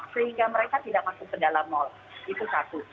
sehingga mereka tidak masuk ke dalam mal itu satu